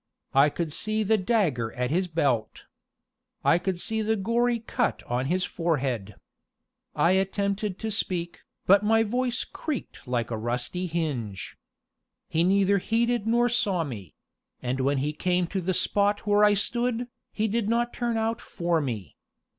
I could see the dagger at his belt. I could see the gory cut on his forehead. I attempted to speak, but my voice creaked like a rusty hinge. He neither heeded nor saw me; and when he came to the spot where I stood, he did not turn out for me.